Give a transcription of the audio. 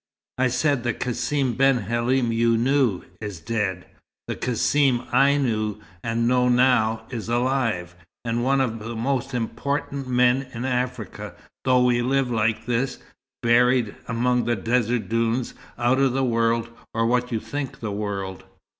"I said the Cassim ben Halim you knew, is dead. The Cassim I knew, and know now, is alive and one of the most important men in Africa, though we live like this, buried among the desert dunes, out of the world or what you'd think the world."